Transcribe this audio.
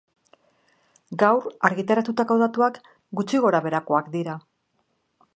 Gaur argitaratutako datuak gutxi gorabeherakoak dira.